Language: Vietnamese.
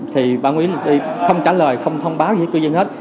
thì bà nguyễn không trả lời không thông báo gì cho cư dân hết